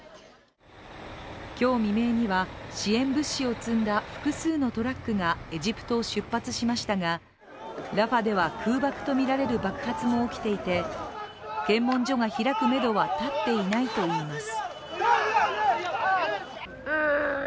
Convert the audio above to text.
今日未明には支援物資を積んだ複数のトラックがエジプトを出発しましたが、ラファでは空爆とみられる爆発も起きていて検問所が開くめどは立っていないといいます。